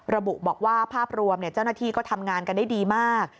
ระบุบอกว่าภาพรวมเจ้าหน้าที่ก็ทำงานกันได้ดีมาก